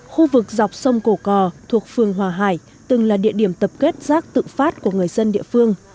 khu vực dọc sông cổ cò thuộc phường hòa hải từng là địa điểm tập kết rác tự phát của người dân địa phương